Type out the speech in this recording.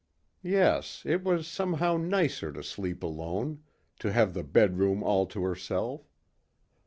Yes, it was somehow nicer to sleep alone, to have the bedroom all to herself.